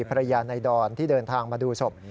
ภรรยานายดอนที่เดินทางมาดูศพ